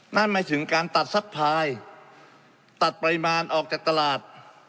นั่นหมายถึงการตัดซัพพายตัดปริมาณออกจากตลาด